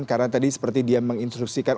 karena tadi seperti dia menginstruksikan